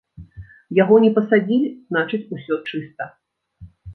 Яго не пасадзілі, значыць, усё чыста.